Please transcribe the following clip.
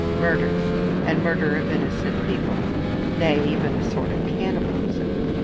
Murder! and murder of innocent people! nay, even a sort of cannibalism.